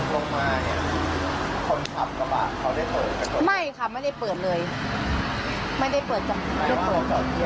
ลงมาเนี้ยคนขับกระบะเขาได้เปิดไม่ค่ะไม่ได้เปิดเลยไม่ได้เปิดจำไม่ได้เปิด